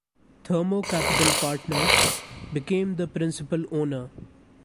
Thermo Capital Partners, became the principal owner.